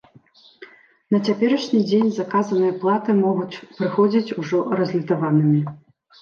На цяперашні дзень заказаныя платы могуць прыходзіць ужо разлітаванымі.